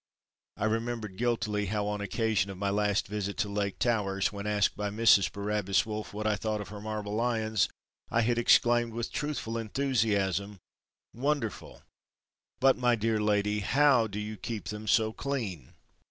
I remembered guiltily how on the occasion of my last visit to Lake towers when asked by Mrs. Barabbas Wolfe, what I thought of her marble Lions, I had exclaimed with truthful enthusiasm "Wonderful! But my dear lady how do you keep them so clean?"